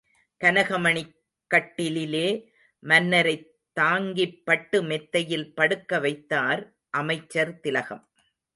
கனகமணிக் கட்டிலிலே மன்னரைத் தாங்கிப் பட்டு மெத்தையில் படுக்க வைத்தார் அமைச்சர் திலகம்.